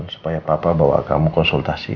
supaya papa bawa kamu konsultasi